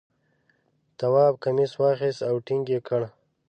تواب کمیس واخیست او ټینګ یې کړ.